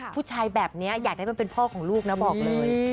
ผู้ชายแบบนี้อยากได้มันเป็นพ่อของลูกนะบอกเลย